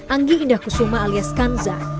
anggi indah kusuma alias kanza